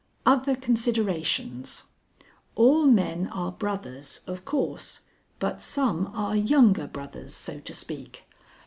Other Considerations. All men are brothers, of course, but some are younger brothers, so to speak.